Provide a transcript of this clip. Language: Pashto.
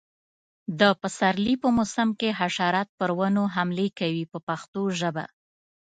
د پسرلي په موسم کې حشرات پر ونو حملې کوي په پښتو ژبه.